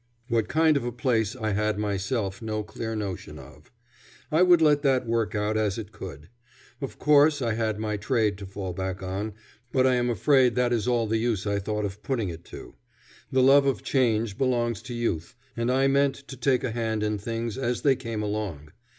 What kind of a place I had myself no clear notion of. I would let that work out as it could. Of course I had my trade to fall back on, but I am afraid that is all the use I thought of putting it to. The love of change belongs to youth, and I meant to take a hand in things as they came along.